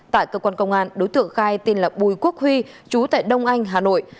tại cơ quan công an đối tượng khai tên là bùi quốc huy chú tại đông anh hà nội